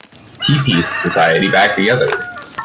He pieced society back together.